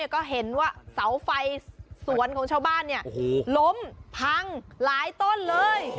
ก็เห็นว่าเสาไฟสวนของชาวบ้านล้มพังหลายต้นเลย